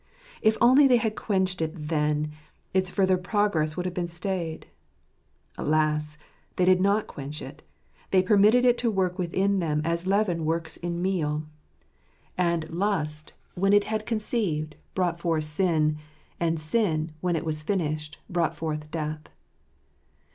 If only they had quenched it then, its further progress would have been stayed. Alas! they did not quench it; they permitted it to work within them as leaven works in meal. ^Rforjjtbeit jjtn. 25 And " lust, when it had conceived, brought forth sin ; and sin, when it was finished, brought forth death."